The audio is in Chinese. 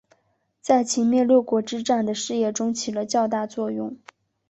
在秦灭六国之战的事业中起了较大作用。